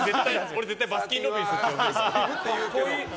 俺、絶対バスキンロビンスって呼んでる。